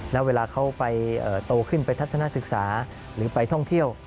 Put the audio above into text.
แล้วเวลาเขาไปโตขึ้นไปทัศนศึกษาหรือไปท่องเที่ยว